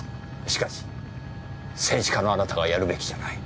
しかし政治家のあなたがやるべきじゃない。